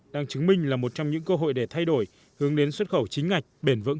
đang chứng minh là một trong những cơ hội để thay đổi hướng đến xuất khẩu chính ngạch bền vững